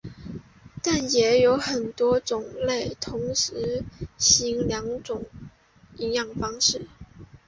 但也有很多种类同时行两种营养方式。